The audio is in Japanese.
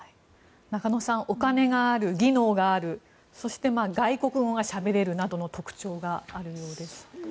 中野さんお金がある、技能があるそして外国語がしゃべれるなどの特徴があるようです。